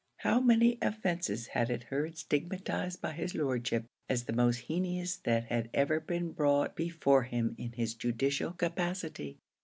How many offences had it heard stigmatised by his lordship as the most heinous that had ever been brought before him in his judicial capacity!